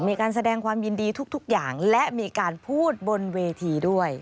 มีการแสดงความยินดีทุกอย่างและมีการพูดบนเวทีด้วย